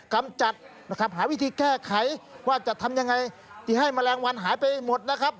กำจัดนะครับหาวิธีแก้ไขว่าจะทำยังไงที่ให้แมลงวันหายไปหมดนะครับ